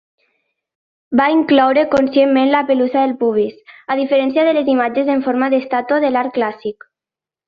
Va incloure conscientment la pelussa del pubis, a diferència de les imatges en forma d'estàtua de l'art clàssic.